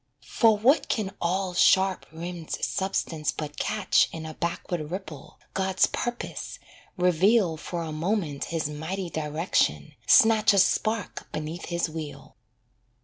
For what can all sharp rimmed substance but catch In a backward ripple, God's purpose, reveal For a moment His mighty direction, snatch A spark beneath His wheel.